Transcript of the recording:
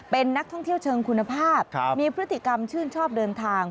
เป็นนักท่องเที่ยวเชิงคุณภาพมีพฤติกรรมชื่นชอบเดินทาง